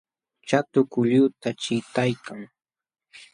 Shatu kulluta chiqtaykan